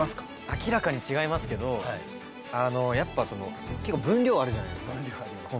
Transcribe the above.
明らかに違いますけどやっぱその結構分量あるじゃないですかコント。